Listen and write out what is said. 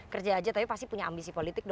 kerja aja tapi pasti punya ambisi politik